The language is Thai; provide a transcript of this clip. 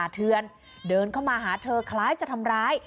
เทือนเดินเข้ามาหาเธอคล้ายจะทำร้าย